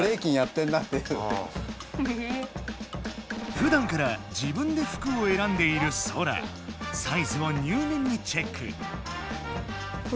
ふだんから自分で服をえらんでいるソラサイズを入念にチェック。